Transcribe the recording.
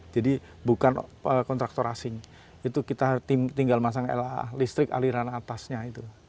jadi bukan kontraktor asing itu kita tinggal masang laa listrik aliran atasnya itu